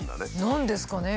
何ですかね？